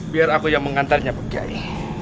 biar aku yang mengantarnya ke kiai